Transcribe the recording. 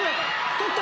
取った！